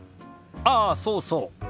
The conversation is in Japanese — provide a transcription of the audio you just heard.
ああそうそう。